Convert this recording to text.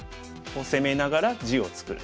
攻めながら地を作る。